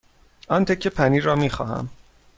آن تکه پنیر را می خواهم.